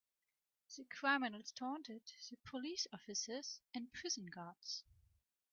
The criminals taunted the police officers and prison guards.